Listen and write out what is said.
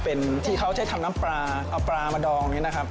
เป็นที่เขาใช้ทำน้ำปลาเอาปลามาดองอย่างนี้นะครับ